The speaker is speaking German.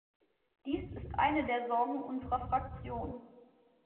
Dies ist eine der Sorgen unserer Fraktion.